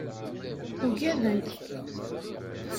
Uggaden-k.